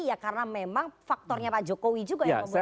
ya karena memang faktornya pak jokowi juga yang kemudian